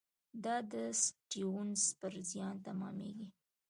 دا د سټیونز پر زیان تمامېږي.